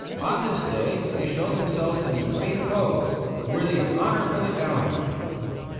On this day they showed themselves to be brave foes, worthy of honor for their gallantry.